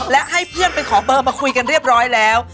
และให้เพื่อนไปขอเบอร์มาคุยกันเรียบร้อยแล้ว